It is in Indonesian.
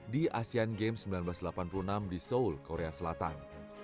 di asean games seribu sembilan ratus delapan puluh enam di seoul korea selatan